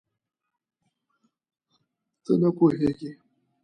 ته نه پوهېږې؟